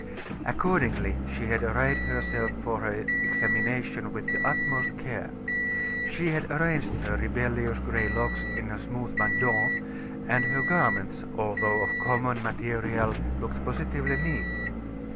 Accordingly, she had arrayed herself for her examination with the utmost care. She had arranged her rebellious gray locks in smooth bandeaux, and her garments, although of common material, looked positively neat.